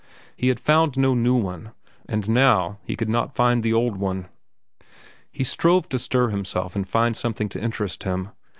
He had found no new one, and now he could not find the old one. He strove to stir himself and find something to interest him.